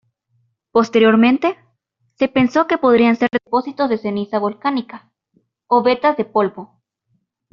Posteriormente se pensó que podrían ser depósitos de ceniza volcánica o vetas de polvo.